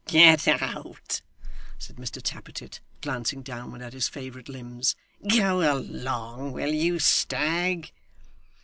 'Get out!' said Mr Tappertit, glancing downward at his favourite limbs. 'Go along, will you, Stagg!